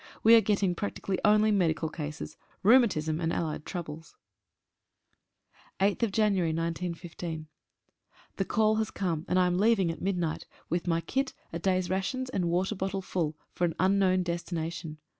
We are getting practically only medical cases — rheumatism and allied troubles. 21 UNDER ORDERS. 8/1/15. HE call has come, and I am leaving at midnight Ml with my kit, a day's rations, and water bottle full, for an unknown destination.